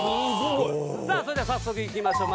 さあそれでは早速いきましょう。